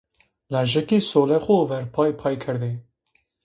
Lajekî solê xo verpay pay kerdê